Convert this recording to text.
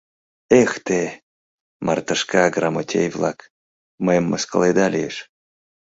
— Эх те, мартышка-грамотей-влак, мыйым мыскыледа лиеш!